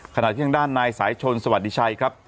ขณะที่ทางด้านนายสายชนสวัสดีชัยครับ